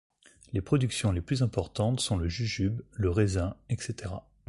Les productions les plus importantes sont le jujube, le raisin, etc.